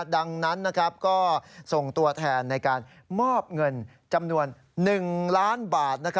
ดังนั้นก็ส่งตัวแทนในการมอบเงินจำนวน๑ล้านบาท